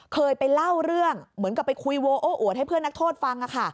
เคยไปเล่าเรื่องเหมือนกับไปคุยโวโอ้อวดให้เพื่อนนักโทษฟัง